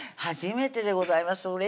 初めてでございます